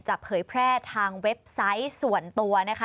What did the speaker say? เผยแพร่ทางเว็บไซต์ส่วนตัวนะคะ